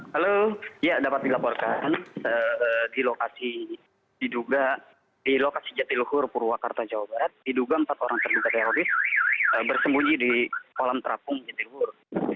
halo ya dapat dilaporkan di lokasi diduga di lokasi jatiluhur purwakarta jawa barat diduga empat orang terduga teroris bersembunyi di kolam terapung jatiluhur